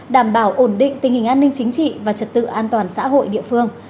đảm bảo ổn định tình hình an ninh chính trị và trật tự an toàn xã hội địa phương